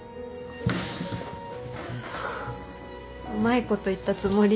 うまいこと言ったつもり？